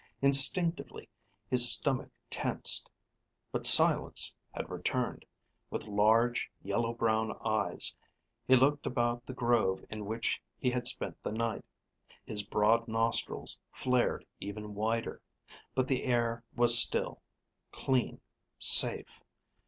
Instinctively his stomach tensed. But silence had returned. With large, yellow brown eyes, he looked about the grove in which he had spent the night. His broad nostrils flared even wider. But the air was still, clean, safe.